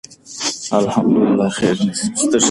انټرنیټ موږ ته د خپلواکې زده کړې زمینه برابروي.